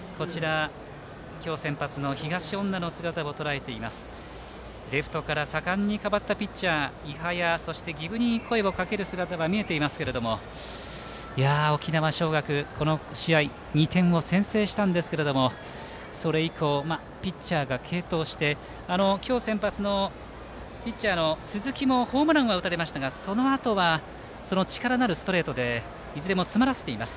今日、先発の東恩納レフトから代わったピッチャー伊波や儀部に声をかける姿が見えていますけれども沖縄尚学、この試合２点を先制したんですがそれ以降ピッチャーが継投して慶応の今日、先発の鈴木もホームランは打たれましたがそのあとは力のあるストレートでいずれも詰まらせています。